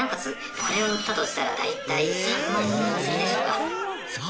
これを売ったとしたら大体３万円はするでしょうか。